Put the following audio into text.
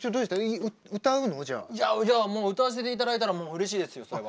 いや歌わせていただいたらもううれしいですよそれは。